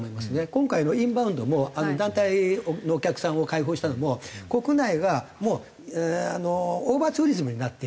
今回のインバウンドも団体のお客さんを開放したのも国内がもうオーバーツーリズムになっている。